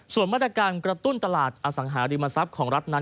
ส่วนมาตรการกระตุ้นตลาดอสังหาริมทรัพย์ของรัฐนั้น